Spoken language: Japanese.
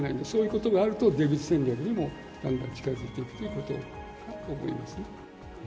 そういうことがあると、出口戦略にもだんだん近づいていくということかと思いますね。